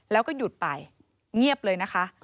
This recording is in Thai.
แล้วก็หยุดไปเงียบเลยนะคะ